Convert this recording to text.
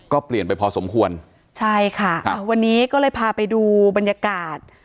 ก็เปลี่ยนไปพอสมควรใช่ค่ะอ่าวันนี้ก็เลยพาไปดูบรรยากาศ